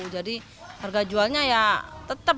jadi harga jualnya ya tetap